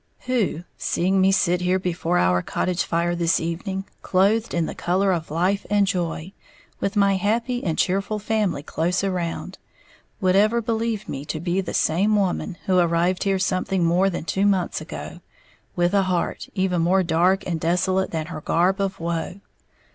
Who, seeing me sit here before our cottage fire this evening, clothed in the color of life and joy, with my happy and cheerful family close around, would ever believe me to be the same woman who arrived here something more than two months ago, with a heart even more dark and desolate than her garb of woe?